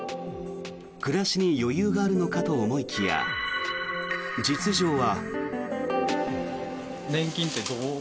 暮らしに余裕があるのかと思いきや実情は。